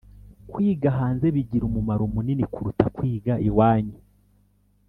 kwiga hanze bigira umumaro munini kuruta kwiga iwanyu